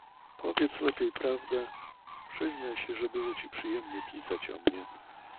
"Powiedz lepiej prawdę... Przyznaj się, że ci było przyjemnie pisać o mnie..."